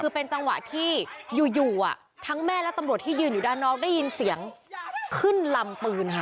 คือเป็นจังหวะที่อยู่ทั้งแม่และตำรวจที่ยืนอยู่ด้านนอกได้ยินเสียงขึ้นลำปืนค่ะ